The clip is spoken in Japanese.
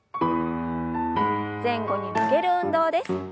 前後に曲げる運動です。